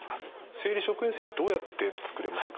生理食塩水どうやって作れますか？